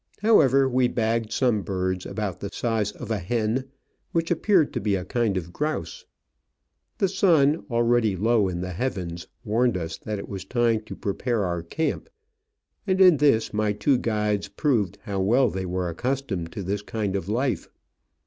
However, we bagged some birds about the size of a hen, which appeared to be a kind of grouse. The sun, already low in the heavens, warned us that it was time to prepare our Digitized by VjOOQIC OF AN Orchid Hunter, 69 camp, and in this my two guides proved how well they were accustomed to this kind of life.